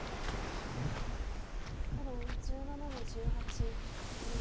黒１７の十八ハネ。